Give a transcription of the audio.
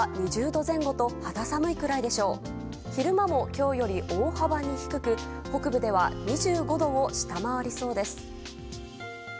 昼間も今日より大幅に低く北部では２５度を下回りそうです。